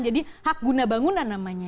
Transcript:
jadi hak guna bangunan namanya